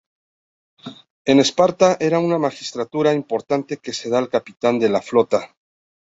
En Esparta, era una magistratura importante que se da al capitán de la flota.